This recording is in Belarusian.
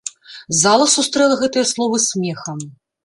Зала сустрэла гэтыя словы смехам.